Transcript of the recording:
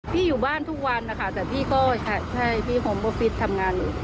พี่อยู่บ้านทุกวันนะค่ะแต่พี่ก็ใช่พี่โฮมโบฟิตทำงาน